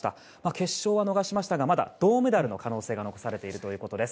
決勝は逃しましたがまだ銅メダルの可能性が残されているということです。